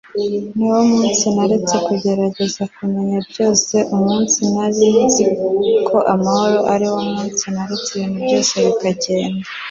niwo munsi naretse kugerageza kumenya byose umunsi nari nzi ko amahoro ariwo munsi naretse ibintu byose bikagenda